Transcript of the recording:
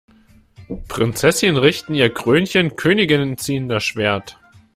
Prinzesschen richten ihr Krönchen, Königinnen ziehen das Schwert!